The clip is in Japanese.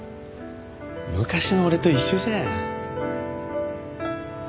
昔の俺と一緒じゃん。